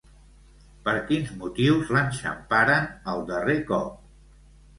Per quins motius l'enxamparen el darrer cop?